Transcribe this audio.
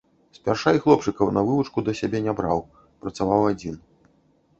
Спярша і хлопчыкаў на вывучку да сябе не браў, працаваў адзін.